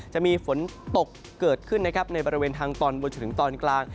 จะมีฝนตกเกิดขึ้นนะครับในบริเวณทางตอนบนจนถึงตอนกลาง